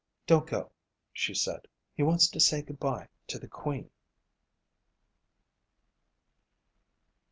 "Don't go," she said. "He wants to say good bye to the Queen."